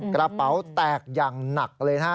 กระเป๋าแตกอย่างหนักเลยนะฮะ